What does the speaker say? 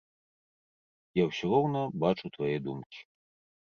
Я ўсё роўна бачу твае думкі.